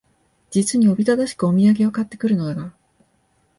実におびただしくお土産を買って来るのが、